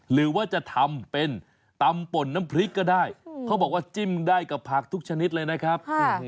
หรือว่าจะทำเป็นตำป่นน้ำพริกก็ได้เขาบอกว่าจิ้มได้กับผักทุกชนิดเลยนะครับ